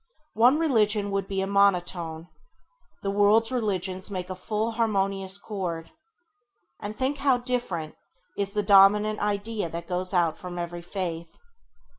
One religion would be a monotone. The world's religions make a full harmonious chord. And think how different is the dominant idea that goes out from every faith.